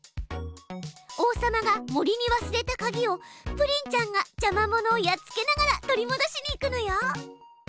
王様が森に忘れたかぎをプリンちゃんがじゃま者をやっつけながら取りもどしに行くのよ。